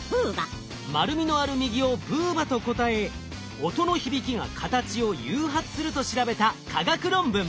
丸みのある右をブーバと答え「音の響きが形を誘発する」と調べた科学論文。